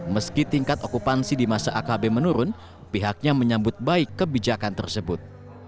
meski tingkat okupansi di masa akb menurun pihaknya menyambut baik kebijakan tersebut